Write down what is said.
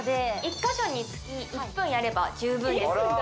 １か所につき１分やれば十分です